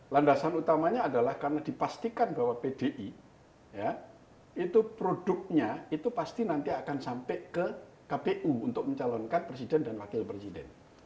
landasan utamanya adalah karena dipastikan bahwa pdi itu produknya itu pasti nanti akan sampai ke kpu untuk mencalonkan presiden dan wakil presiden